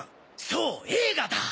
そう映画だ！